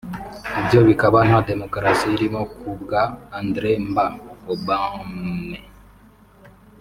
ibyo bikaba nta Demokarasi irimo ku bwa André Mba Obame